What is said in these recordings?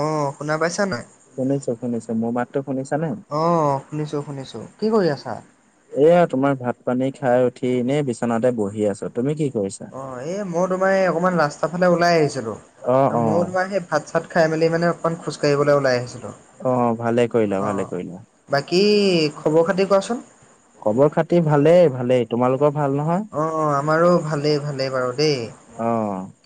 অ' শুনা পাইছা নাই। শুনিছোঁ শুনিছোঁ মই মাততটো শুনিছানে। অ' শুনিছোঁ শুনিছোঁ, কি কৰি আছা? এয়া তোমাৰ ভাত পানী খাই উঠি এনেই বিচনাতে বহি আছোঁ, তুমি কি কৰিছা? অ' এই মই তোমাৰ এই অকণমান ৰাস্তাৰ ফালে ওলাই আহিছিলোঁ, অ', ময়ো অ', তোমাৰ সেই ভাত চাত খাই মেলি মানে অকণ খোজ কাঢ়িবলৈ ওলাই আহিছিলোঁ। অ', ভালে কৰিলা ভালে অ' কৰিলা। বাকী খবৰ খাতি কোৱাচোন। খবৰ খাতি ভালেই ভালেই তোমালোকৰ ভাল নহয়? অ', অ', আমাৰো ভালেই ভালেই বাৰু দেই।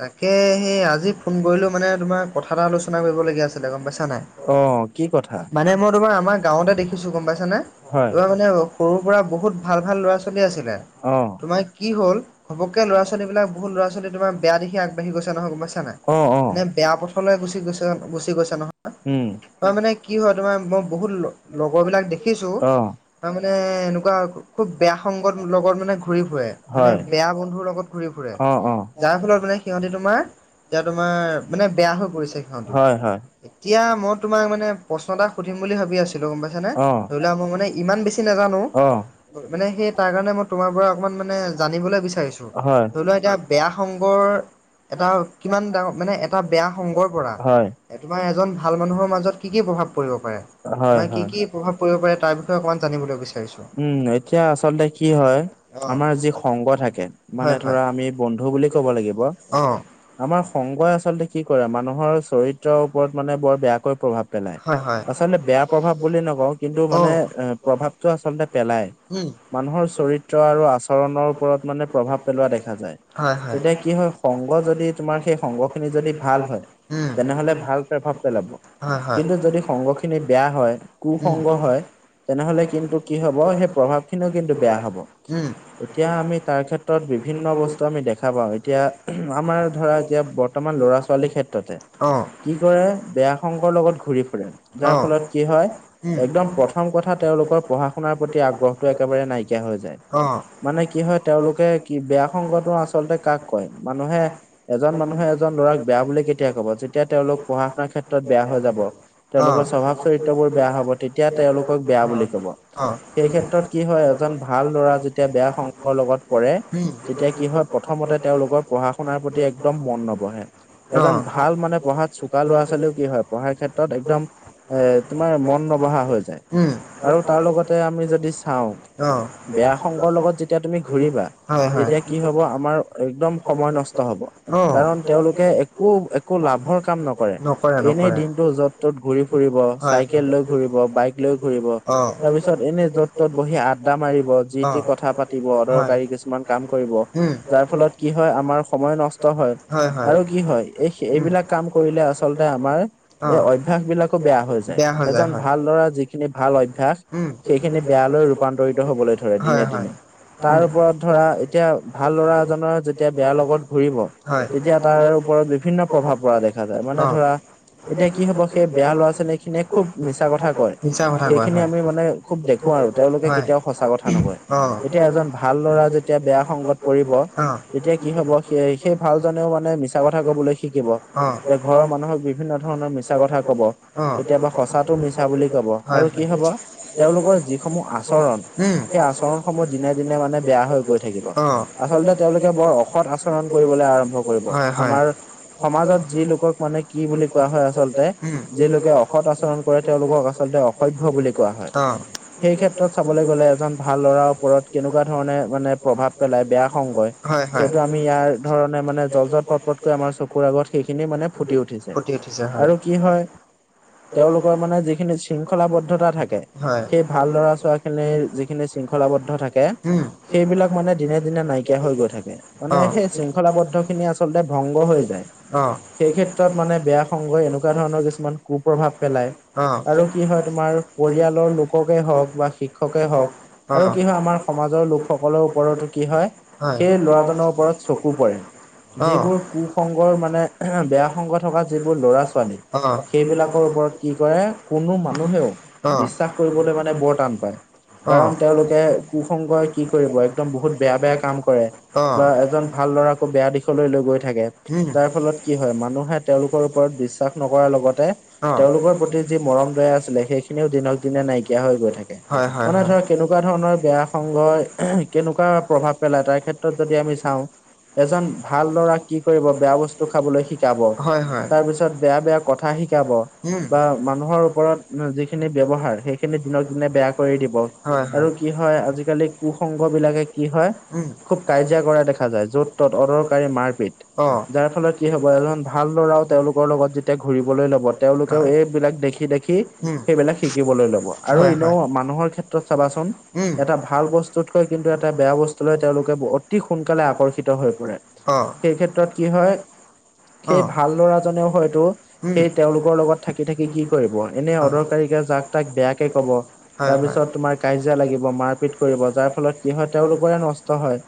তাকে সেই আজি ফোন কৰিলোঁ মানে তোমাৰ কথা এটা আলোচনা কৰিবলগীয়া আছিলে গম পাইছা নাই। অ', অ', কি কথা? মানে মই তোমাৰ আমাৰ গাঁৱতে দেখিছো গম পাইছানে, হয় তোমাৰ মানে সৰুৰ পৰা বহুত ভাল ভাল ল'ৰা ছোৱালী আছিলে। অ'। তোমাৰ কি হ'ল [unintelligible] ল'ৰা ছোৱালীবিলাক বহুত ল'ৰা ছোৱালী তোমাৰ বেয়া দিখে আগবাঢ়ি গৈছে নহয় গম পাইছা নাই নে, অ', অ', মানে বেয়া পথলৈ গুচি গৈছে গুচি গৈছে নহয়। উম। তাৰ মানে কি হয় তোমাৰ মই বহুত লগৰ বিলাক দেখিছোঁ। অ', তাৰ মানে এনেকুৱা খুব বেয়া সংগত লগত মানে ঘূৰি ফুৰে, মানে হয় বেয়া বন [unintelligible] লগত ঘুৰি ফুৰে, অ', অ', যাৰ ফলত মানে সিঁহতি তোমাৰ, এতিয়া তোমাৰ মানে বেয়া হৈ পৰিছে। সিহঁতো হয় হয়। এতিয়া মই তোমাক মানে প্ৰশ্ন এটা সুধিম বুলি ভাবি আছিলোঁ গম পাইছানে। অ', ধৰিলা মই মানে ইমান বেছি নাজানো। অ', মানে সেই তাৰ কাৰণে মই তোমাৰ পৰা অকমান মানে জানিবলৈ বিচাৰিছোঁ। হয় ধৰি লোৱা এতিয়া বেয়া সংগৰ এটা কিমান ডাঙৰ মানে এটা বেয়া সংগৰ পৰা হয় তোমাৰ এজন ভাল মানুহৰ মাজত কি কি প্ৰভাৱ পৰিব পাৰে, হয় তোমাৰ কি হয় কি প্ৰভাৱ পৰি পাৰে তাৰ বিষয়ে অকণমান জানলৈ বিচাৰিছোঁ। উম, এতিয়া আচলতে কি হয় অ' আমাৰ যি সংগ থাকে। মানে হয় হয় ধৰা আমি বন্ধু বুলি ক'ব লাগিব। অ' আমাৰ সংগই আচলতে কি কৰে মানুহৰ চৰিত্ৰৰ ওপৰত মানে বৰ বেয়াকৈ প্ৰভাৱ পেলায়। হয় হয় আচলতে বেয়া প্ৰভাৱ বুলি নকওঁ কিন্তু মানে অ' এ, প্ৰভাৱটো আচলতে পেলাই, উম মানুহৰ চৰিত্ৰ আৰু আচৰণৰ ওপৰত মানে প্ৰভাৱ পেলোৱা দেখা যায়, হয় হয় এতিয়া কি হয় সংগ যদি তোমাৰ সেই সংগ খিনি যদি ভাল হয়। উম তেনেহ'লে ভাল প্ৰেভাৱ পেলাব। হয় হয় কিন্তু যদি সংগ খিনি বেয়া হয, কু উম সংগ হয় তেনেহ'লে কিন্তু কি হ'ব সেই প্ৰভাৱ খিনিও কিন্তু বেয়া হ'ব। উম এতিয়া আমি তাৰ ক্ষেত্ৰত বিভিন্ন বস্তু আমি দেখা পাওঁ এতিয়া আমাৰ ধৰা এতিয়া বৰ্তমান ল'ৰা ছোৱালীৰ ক্ষেত্ৰতে, অ' কি কৰে বেয়া সংগৰ লগত ঘূৰি ফুৰে যাৰ অ' ফলত কি হয় উম একদম প্ৰথম কথা তেওঁলোকৰ পঢ়া শুনাৰ প্ৰতি আগ্ৰহটো একেবাৰে নাইকিয়া হৈ যায়। অ' মানে কি হয় তেওঁলোকে কি বেয়া সংগটো আচলতে কাক কয় মানুহে এজন মানুহে এজন ল'ৰাক বেয়া বুলি কেতিয়া ক'ব যেতিয়া তেওঁলোক পঢ়া শুনাৰ ক্ষেত্ৰত বেয়া হৈ যাব। তেওঁলোকৰ তেওঁলোকে স্বভাৱ চৰিত্ৰবোৰ বেয়া হ'ব তেতিয়া তেওঁলোকক বেয়া বুলি ক'ব। ভাল সেই ক্ষেত্ৰত কি হয় এজন ভাল ল'ৰা যেতিয়া বেয়া সং [unintelligible] লগত পৰে, তেতিয়া কি হয় প্ৰথমতে তেওঁলোকৰ পঢ়া শুনাৰ প্ৰতি একদম মন নবহে। এজন ভাল মানে পঢ়াত চোকা ল'ৰা ছোৱালীও কি হয় পঢ়াৰ ক্ষেত্ৰত এক্দম এ তোমাৰ মন নবঢহা হৈ যায় উম আৰু তাৰ লগতে আমি যদি চাওঁ অ বেয়া সংগৰ লগত যেতিয়া তুমি ঘূৰিবা হয় হয় তেতিয়া কি হব আমাৰ একদম সময় নষ্ট হ'ব অ কাৰণ তেওঁলোকে একো একো লাভৰ কাম নকৰে এনেই দিনটো য'ত ত'ত ঘূৰি ফুৰিব হয় চাইকেল লৈ ঘুৰিব বাইক লৈ ঘুৰিব হয়। অ তাৰ পিছত এনে য'ত তত বহি আড্ডা মাৰিব অ যি কথা দ হয় অদৰকাৰী কিছুমান কাম কৰিব উম যাৰ ফলত কি হয় আমাৰ সময় নষ্ট হয় আৰু কি হয় এই উম এইবিলাক কাম কৰিলে আচলতে আমাৰ অ এই অভ্যস বিলাক বেয়া হৈ যায় এজন ভাল ল'ৰা যিখিনি ভাল অভ্যাস উম। সেইখিনি বেয় লৈ ৰূপান্তৰিত হবলৈ ধৰে হয় দিনে হয়। দিনে তাৰ ওপৰত ধৰা এতিয়া ভাল ল'ৰা এজনৰ যেতিয়া বেয়া লগত ঘূৰিব হয়। তেতিয়া তাৰ ওপৰত বিভিন্ন প্ৰভাৱ পৰা দেখা যায় অ মানে ধৰা এতিয়া কি হব সেই বেয়া ল'ৰা ছোৱালী খিনিয়ে খুব মিছা কথা কয় মিছা কথা কোৱা খিনি হয় আমি মানে খুব দেখো আৰু তেওঁলোকে হয় কেতিয়াও সঁচা কথা নকয় অ এজন ভাল ল'ৰা যেতিয়া বেয়া সংগত পৰিব অ তেতিয়া কি হব সেই সেই ভাল জনেও মানে মিছা কথা কবলৈ শিকিব অ এ ঘৰৰ মানুহক বিভিন্ন ধৰণৰ মিছা কথা কব অ কেতিয়াবা সঁচাটো মিছা বুলি কব হয় আৰু কি হয় হব তেওঁলোকৰ যিসমূহ আচৰণ উম সেই আচৰণ সময়ত দিনে দিনে মানে বেয়া হৈ গৈ থাকিব অ আচলতে তেওঁলোকে বৰ অসৎ আচৰণ কৰিবলৈ আৰম্ভ কৰিব হয় হয় আমাৰ সমাজত যি লোকক মানে কি বুলি কোৱা হয় আচল্ততে উম যি লোকে অসৎ আচৰণ কৰে তেওঁলোকক আচলতে অস অসভ্য বুলি কোৱা হয় অ সেই ক্ষেত্ৰত চাবলৈ গলে এজন ভাল ল'ৰা ওৰত কেনেকুৱা ধৰণে মানে প্ৰভাৱ পেলাই বেয়া সংগই হয় হয় সেইটো আমি ইয়াৰ ধৰণে মানে জল পট পট আমাৰ চকুৰ আগত সেইখিনি মানে ফুটি উঠিছে ফুটি উঠিছে হয় আৰু কি হয় তেওঁলোকৰ মানে যিখিনি শৃংখ শৃংখলাবদ্ধতা থাকে হয় সেই ভাল ল'ৰা ছৰা খিনিৰ যিখিনি শৃংখলাবদ্ধ থাকে উম সেইবিলাক মানে দিনে দিনে নাইকিয়া হৈ গৈ থাকে মানে সেই শৃংখলাবদ্ধ খিনি আচল আচলতে ভংগ হৈ যায় সেই ক্ষেত্ৰত মানে বেয়া সংগই এনেকুৱা ধৰণৰ কিছুমান কু প্ৰভাৱ পেলায় আৰু কি হয় তোমাৰ পৰিয়ালৰ লোককে হওঁক বা শিক্ষকে হওঁক আৰু কি হয় আমাৰ সমাজৰ লোকসকলৰ ওপৰতো কি হয় সেই ল'ৰাজনৰ ওপৰত চকু পৰে যিবোৰ কুসংগৰ মানে বেয়া সংগ থকা যিবোৰ ল'ৰা ছোৱালী সেইবিলাকৰ ওপৰত কি কৰে কোনো মানুহেও বিশ্বাস কৰিবলৈ মানে বৰ টান পায় কাৰণ তেওঁলোকে প্ৰসংগই কি কৰিব একদম বহুত বেয়া বেয়া কাম কৰে বা এজন ভাল লৰাকো বেয়া দিশলৈ লৈ গৈ থাকে উম। যাৰ ফলত কি হয় মানুহে তেওঁলোকৰ ওপৰত বিশ্বাস নকৰাৰ লগতে তেওঁলোকৰ প্ৰতি যি মৰম দয়া আছিলে সেইখিনিও দিনক দিনে নাইকিয়া হৈ গৈ থাকে হয় হয় মানে হয়। ধৰ কেনেকুৱা ধৰণৰ বেয়া কেনেকুৱা প্ৰভাৱ পেলাই তাৰ ক্ষেত্ৰত যদি আমি চাওঁ এজন ভাল ল'ৰা কি কৰিব বেয়া বস্তু খাবলৈ শিকাব হয় হয় তাৰপিছত বেয়া বেয়া কথা শিক উম বা মানুহৰ ওপৰত যিখিনি ব্যৱহাৰ সেইখিনি দিনক দিনে বেয়া কৰি দিব আৰু কি হয় আজিকালি কুসংগ বিলাকে কি হয় উম খুব কাজিয়া কৰা দেখা যায় য'ত ত'ত অদৰকাৰী মাৰপিত অ যাৰ ফলত কি হব এজন ভাল ল'ৰাও তেওঁলোকৰ লগত যেতিয়া ঘুৰিবলৈ লব তেওঁলোকেও হয় এইবিলাক দেখি দেখি উম সেইবিলাক শিকিবলৈ লব আৰু হয় হয় এনেও মানুহৰ ক্ষেত্ৰত চাবাচোন উম এটা ভাল বস্তুতকৈ কিন্তু এটা বেয়া বস্তু লৈ তেওঁলোকে অতি সোনকালে আকৰ্ষিত হৈ পৰে অ সেই ক্ষেত্ৰত কি হয় সেই বহুত ভাল ল'ৰাজনেও হয়তো সেই তেওঁলোকৰ লগত থাকি থাকি কি এনে আপোনাৰ অদৰকাৰীকে যাক তাক বেয়াকে কব তাৰ পিছত তোমাৰ কাজিয়া লাগিব মাৰপিত কৰিব যাৰ ফলত কি হয় তেওঁলোকৰে নষ্ট হয়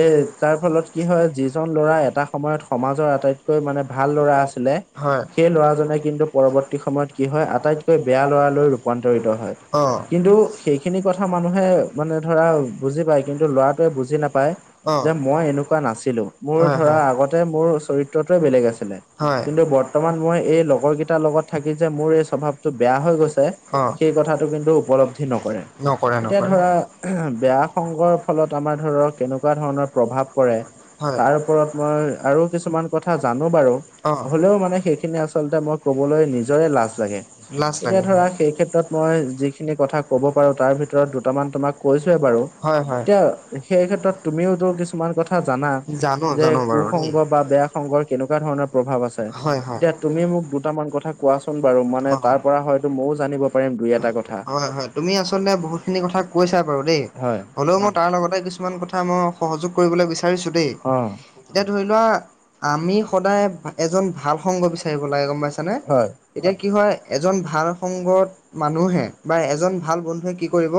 এ যাৰ ফলত কি হয় যিজন ল'ৰা এটা সময়ত সমাজৰ আটাইতকৈ মানে ভাল ল'ৰা আছিলে, হয় সেই ল'ৰাজনে কিন্তু পৰৱৰ্তী সময়ত কি হয় আটাইতকৈ বেয়া লৰা লৈ ৰূপান্তৰিত হয়, অ কিন্তু সেইখিনি কথা মানুহে মানে ধৰা বুজি পাই কিন্তু লৰাটোৱে বুজি নাপায় অ যে মই এনেকুৱা নাছিলোঁ। মোৰ হয় ধৰা হয় আগতে মোৰ চৰিত্ৰটোৱে বেলেগ আছিলে, হয় কিন্তু বৰ্তমান মই এই লগৰ কেইটাৰ লগত থাকি যে মোৰ এই স্বভাৱটো বেয়া হৈ গৈছে অ সেই কথাটো কিন্তু উপলব্ধি নকৰে, নকৰে এতিয়া নকৰে ধৰা বেয়া সংগৰ ফলত আমাৰ ধৰক কেনেকুৱা ধৰণৰ প্ৰভাৱ পৰে। হয় তাৰ ওপৰত মই আৰু কিছুমান কথা জানো বাৰু। অ'। হ'লেও মানে সেইখিনি আচলতে মই কবলৈ নিজৰে লাজ লাগে, লাজ তেতিয়া লাগে ধৰা এই ক্ষেত্ৰত মই যিখিনি কথা ক'ব পাৰোঁ তাৰ ভিতৰত দুটামান তোমাক কৈছোৱে বাৰু হয় হয় এতিয়া সেই ক্ষেত্ৰত তুমিওতো কিছুমান কথা জানা। জানো যে জানো বাৰু দেই কুসংগ বা বেয়া সংগৰ কেনেকুৱা ধৰণৰ প্ৰভাৱ আছে, হয় হয় এতিয়া তুমি মোক দুটামান কথা ক কোৱাচোন বাৰু মানে অ তাৰ পৰা হয়তো মইও জানিব পাৰিম দুই এটা কথা? হয় হয় তুমি আচলতে বহুতখিনি কথা কৈছা দেই হয় হ'লেওঁ মই তাৰ লগতে কিছুমান কথা মই সহযোগ কৰিবলৈ বিচাৰিছোঁ দেই। অ', এতিয়া ধৰি লোৱা আমি সদায় এজন ভাল সংগ বিচাৰিব লাগে গম পাইছানে? হয়। এতিয়া কি হয় এজন ভাল সংগত মানুহে বা এজন ভাল বন্ধুৱে কি কৰিব।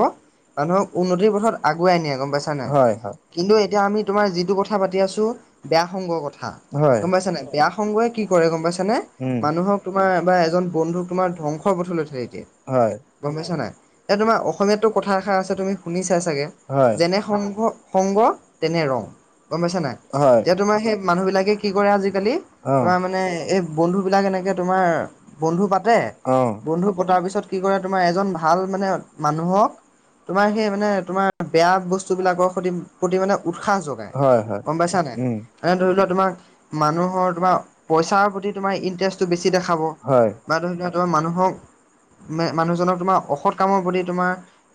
মানুহক উন্নতিৰ পথত আগুৱাই নিয়ে গম পাইছা নে নাই? হয়, হয়, কিন্তু এতিয়া আমি তোমাৰ যিটো কথা পাতি আছোঁ। বেয়া সংগ কথা, হয়, গম পাইছা নে নাই? বেয়া সংগয়ে কি কৰে গম পাইছানে? উম, মানুহক তোমাৰ এবাৰ এজন বন্ধুক তোমাৰ ধ্বংস পথলৈ ঠেলি দিয়ে। হয়, গম পাইছা নাই? এ তোমাৰ অসমীয়াতটো কথাষ থা আছে তুমি শুনি চাই চাগে, হয়, যেনে সংঘ, সংগ তেনে ৰং, গম পাইছা-নাই? হয়, এতিয়া তোমাৰ সেই মানুহ বিলাকে কি কৰে আজিকালি, তোমাৰ অ', মানে এব বন্ধুবিলাক এনেকে তোমাৰ বন্ধু পাতে, অ', বন্ধু পতাৰ পিছত কি কৰে তোমাৰ এজন ভাল মানে, মানুহক তোমাৰ সেই মানে তোমাৰ বেয়া বস্তুবিলাকৰ সতি-প্ৰতি মানে উৎসাহ যগ হয়, ই হয়। গম পাইছা- নাই? উম, এনে ধৰি লোৱা তোমাক মানুহৰ তোমাৰ পইচাৰ প্ৰতি তোমাৰ ইন্টাৰেষ্টটো বেছি দেখাব। হয়। বা ধৰি লোৱা তোমাৰ মানুহক, মে-মানুহজনক তোমাৰ অসৎ কামৰ প্ৰতি তোমাৰ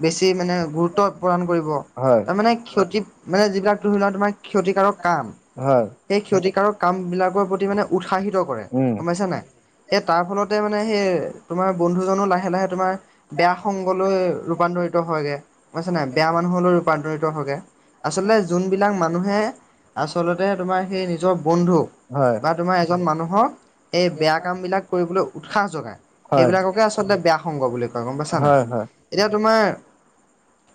বেছি মানে গুৰুত্ব প্ৰদান কৰিব। হয়, তাৰ মানে ক্ষতিপ, মানে যিবিলাক ধৰি লোৱা তোমাৰ ক্ষতিকাৰক কাম। হয়। এই ক্ষতিকাৰক কামবিলাকৰ প্ৰতি মানে উৎসাহিত কৰে, উম, গম পাইছা নাই? এ, তাৰ ফলতে মানে সেই তোমাৰ বন্ধুজনো লাহে-লাহে তোমাৰ বেয়া সংগ লৈ ৰূপান্তৰিত হয়গে, পাইছ-নাই বেয়া মানুহলৈ ৰূপান্তৰিত হয়গে। আচলতে যোনবিলাক মানুহে, আচলতে তোমাৰ সেই নিজৰ বন্ধুক, হয়, বা তোমাৰ এজন মানুহক, এই বেয়া কাম বিলাক কৰিবলৈ উৎসাহ জগাই, হয়। সেইবিলাককে আচ বেয়া সংগ বুলি কয় গম পাইছা নাই? হয়, হয়। এতিয়া তোমাৰ,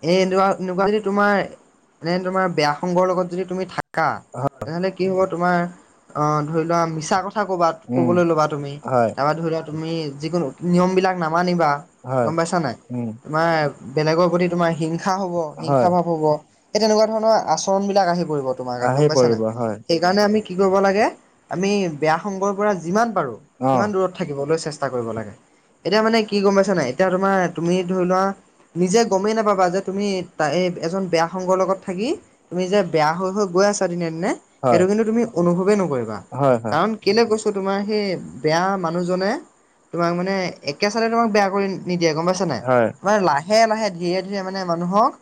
এন্দুৱা-নোকোৱা যদি তোমাৰ এনে তোমাৰ বেয়া সংগৰ লগত যদি তুমি থাকা, হয়, তেনেহলে কি হ'ব তোমাৰ অ', ধৰি লোৱা মিছা কথা ক'বা, উম, ক'বলৈ ল'বা তুমি হয়, এবাৰ ধৰি লোৱা তুমি যিকোনো নিয়মবিলাক নামানিবা, হয়, গম পাইছা নাই? উম। তোমাৰ বেলেগৰ প্ৰতি তোমাৰ হিংসা হ'ব, হয়, হিংসা ভাৱ হ'ব। এ, তেনেকুৱা ধৰণৰ আচৰণ বিলাক আহি পৰিব তোমাৰ গাত আহি গম পাইছা পৰিব নাই? হয়, সেইকাৰণে আমি কি কৰিব লাগে? আমি বেয়া সংগৰ পৰা যিমান পাৰোঁ, সিমান অ', দূৰত থাকিবলৈ চেষ্টা কৰিব লাগে, এতিয়া মানে কি গম পাইছা নাই? এতিয়া তোমাৰ তুমি ধৰি লোৱা নিজে গমেই নাপাবা যে তুমি-তাএ এজন বেয়া সংগৰ লগত থাকি তুমি যে বেয়া হৈ, হৈ গৈ আছা দিনে, দিনে হয়, সেইটো কিন্তু তুমি অনুভৱেই নকৰিবা। হয়, হয়, কাৰণ কেলে কৈছো তোমাৰ সেই বেয়া মানুহজনে তোমাক মানে একে চালে তোমাক বেয়া কৰি নিদিয়ে গম পাইছা নাই। হয়। তোমাৰ লাহে লাহে ধীৰে ধীৰে মানে মানুহক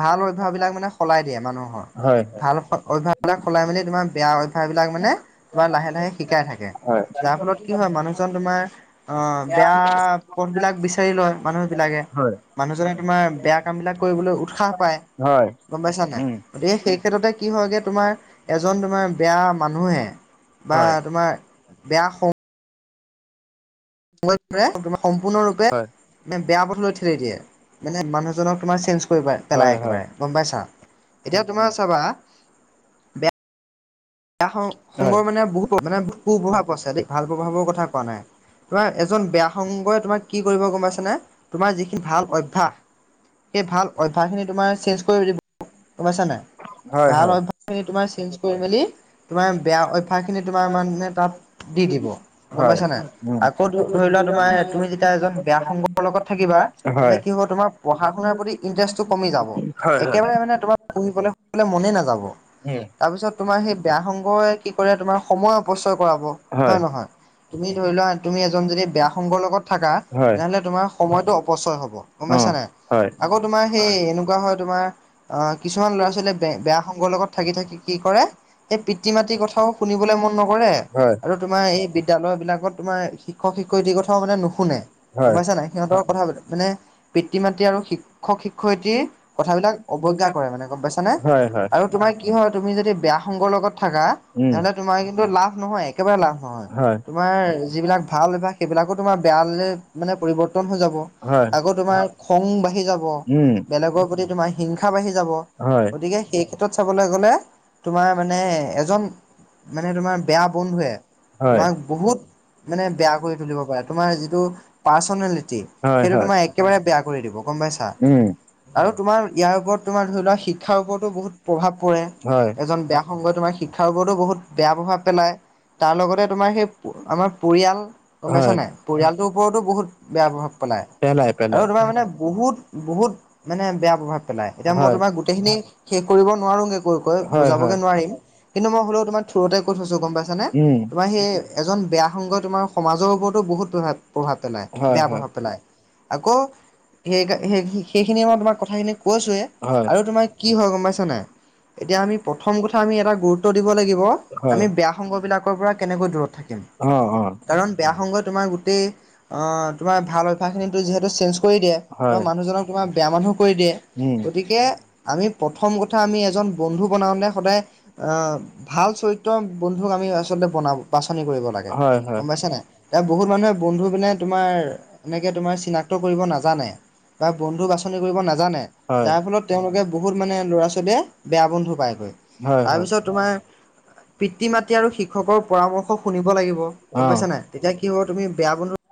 ভাল অভ্যাসবিলাক মানে সলাই দিয়ে মানুহৰ, হয়, ভাল সৎ অভ্যা [unintelligible] সলাই মেলি তোমাৰ বেয়া অভ্যাসবিলাক মানে, তোমাৰ লাহে লাহে শিকাই থাক হয়, [unintelligible] যাৰ ফলত কি হয় মানুহজন তোমাৰ অ' বেয়া পথ বিলাক বিচাৰি লয় মানুহবিলাকে, হয়, মানুহজনে তোমাৰ বেয়া কাম বিলাক কৰিবলৈ উৎসাহ পায়। হয়। গম পাইছা নাই, উম, গতিকে সেই ক্ষেত্ৰতে কি হয়গে তোমাৰ এজন তোমাৰ বেয়া মানুহে বা হয়, তোমাৰ, বেয়া সং [unintelligible] সম্পূৰ্ণৰূপে হয়, বেয়া পথলৈ ঠেলি দিয়ে, মানে মানুহজনক তোমাৰ চেঞ্জ কৰিবাই হয়, পেলাই হয়। একেবাৰে গম পাইছা, এতিয়া তোমাৰ চাবা [unintelligible] হয়, সং-সংগৰ মানে বহুত [unintelligible] মানে কু প্ৰভাৱ আছে দেই ভাল প্ৰভাৱৰ কথা কোৱা নাই। তোমাৰ এজন বেয়া সংগই তোমাক কি কৰিব গম পাইছানে, তোমাৰ যিখিনি ভাল অভ্যাস সেই ভাল অভ্যাসখিনি তোমাৰ চেঞ্জ কৰি দিব গম পাইছা নাই, হয়, ভাল হয়, অভ্যা [unintelligible] তোমাৰ চেঞ্জ কৰি মেলি তোমাৰ বেয়া অভ্যাসখিনি তোমাৰ মানে তাত দি দিব গম হয়, পাইছা নাই। উম, আকৌ ধ-ধৰি লোৱা তোমাৰ তুমি যেতিয়া এজন বেয়া সংগৰ লগত থাকিবা, হয়, তেন্তে কি হ'ব তোমাৰ পঢ়া শুনাৰ প্ৰতি ইটাৰেষ্টটো কমি যাব, হয়, হয়। একেবাৰে মানে তোমাৰ পঢ়িবলৈ মানে মনে নাযাব। উম, তাৰপিছত তোমাৰ সেই বেয়া সংগই কি কৰে তোমাৰ সময় অপচয় কৰাব হয়, হয়ে নহয়। তুমি ধৰি লোৱা তুমি এজন যদি বেয়া সংগৰ লগত থাকা। হয়। তেনেহ'লে তোমাৰ সময়টো অপচয় হ'ব গম অ', পাইছা নাই, হয়, আকৌ তোমাৰ সেই এনেকুৱা হয় তোমাৰ অ' কিছুমান ল'ৰা ছোৱালীয়ে বেয়া সংগৰ লগত থাকি থাকি কি কৰে এই পিতৃ মাতৃ কথাও শুনিবলৈ মন নকৰে। হয়। আৰু তোমাৰ এই বিদ্যালয় বিলাকত তোমাৰ শিক্ষক শিক্ষয়িতীৰ কথাও মানে নুশুনে হয়। গম পাইছা নাই। সিহঁতৰ কথা মানে পিতৃ মাতৃ আৰু শিক্ষক শিক্ষয়িত্ৰী কথাবিলাক অৱজ্ঞা কৰে মানে গম পাইছানে। হয় হয় আৰু তোমাৰ কি হয় তুমি যদি বেয়া সংগৰ লগত থাকা উম। তোমাৰ কিন্তু লাভ নহয় একেবাৰে লাভ নহয়। হয় তোমাৰ যিবিলাক ভাল অভ্যাস সেইবিলাকো তোমাৰ বেয়া মানে পৰিৱৰ্তন হৈ যাব, হয়। আকৌ তোমাৰ খং বাঢ়ি যাব। উম বেলেগৰ প্ৰতি তোমাৰ হিংসা বাঢ়ি যাব, হয়। গতিকে সেই ক্ষেত্ৰত চাবলৈ গ'লে তোমাৰ মানে এজন, মানে তোমাৰ বেয়া বন্ধুৱে হয়। তোমাক বহুত মানে বেয়া কৰি তুলিব পাৰে তোমাৰ যিটো পাৰ্চনেলিটি, হয় সেইটো হয় তোমাৰ একেবাৰে বেয়া কৰি দিব গম পাইছা। উম। আৰু তোমাৰ ইয়াৰ ওপৰত তোমাৰ ধৰি লোৱা শিক্ষাৰ ওপৰতো বহুত প্ৰভাৱ পৰে। হয়। এজন বেয়া সংগই তোমাৰ শিক্ষাৰ ওপৰতো বহুত বেয়া প্ৰভাৱ পেলায়। তাৰ লগতে তোমাৰ সেই আমাৰ পৰিয়াল গম পাইছা হয়। নাই পৰিয়ালটোৰ ওপৰতো বহুত বেয়া প্ৰভাৱ পেলায়, পেলাই পেলাই আৰু তোমাৰ মানে বহুত- বহুত মানে বেয়া প্ৰভাৱ পেলায় এতিয়া মই হয়। তোমাক গোটেইখিনি শেষ কৰিব নোৱাৰোগৈ কৈ কৈ। হয় হয় বুজাবগে নোৱাৰিম, কিন্তু মই হ'লেও তোমাৰ থুৰতে কৈ থৈছো গম পাইছানে উম তোমাৰ সেই এজন বেয়া সংগই তোমাৰ সমাজৰ ওপৰতো বহুত প্ৰভাৱ প্ৰভাৱ পেলাই হয় বেয়া হয় প্ৰভাৱ পেলায়, আকৌ সেই সেই সেইখিনিয়ে মই তোমাক কথাখিনি কৈছোঁৱেই, হয়। আৰু তোমাৰ কি হয় গম পাইছ নাই। এতিয়া আমি প্ৰথম কথা আমি এটা গুৰুত্ব দিব লাগিব, হয়। আমি বেয়া সংগবিলাকৰ পৰা কেনেকৈ দূৰত থাকিম। অ', অ'। কাৰণ বেয়া সংগই তোমাৰ গোটেই অ' তোমাৰ ভাল অভ্যাস খিনিতো যিহেতু চেঞ্জ কৰি দিয়ে হয় তোমাৰ মানুহজনক তোমাক বেয়া মানুহ কৰি দিয়ে, উম গতিকে আমি প্ৰথম কথা আমি এজন বন্ধু বনাওঁতে সদায় আহ ভাল চৰিত্ৰ বন্ধুক আমি আচলতে বনাব বাছনি কৰিব লাগে, হয় হয় গম পাইছে নাই। এতিয়া বহুত মানুহে বন্ধু পিনে তোমাৰ এনেকে তোমাৰ চিনাক্ত কৰিব নাজানে। বা বন্ধু বাছনি কৰিব নাজানে হয়। যাৰ ফলত তেওঁলোকে বহুত মানে ল'ৰা ছোৱালীয়ে বেয়া বন্ধু পাইগে হয় হয় তাৰপিছত তোমাৰ পিতৃ মাতৃ আৰু শিক্ষকৰ পৰামৰ্শ শুনিব লাগিব, গম অ'। পাইছা নাই, তেতিয়া কি হ'ব তুমি বেয়া বন্ধু